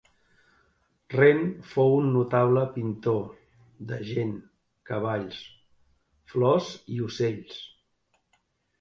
Ren fou un notable pintor de gent, cavalls, flors i ocells.